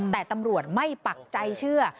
แต่ตำรวจไม่ปักใจเชื่อ